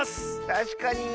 たしかに！